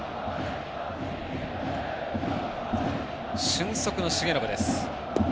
俊足の重信です。